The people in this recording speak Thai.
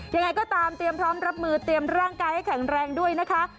ยังไงก็ตามเตรียมพร้อมรับมือเตรียมร่างกายให้แข็งแรงด้วยนะคะ